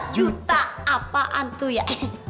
lima belas juta apaan tuh ya